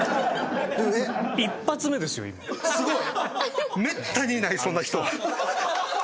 すごい！